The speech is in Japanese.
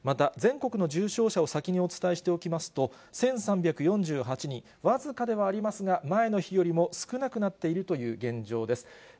また全国の重症者を先にお伝えしておきますと、１３４８人、僅かではありますが、前の日よりも少なくなっているという現状です。